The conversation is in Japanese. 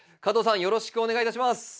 加藤さんよろしくお願いいたします。